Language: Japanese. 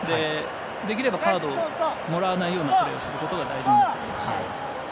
できればカードをもらわないようなプレーをすることが大事になってきます。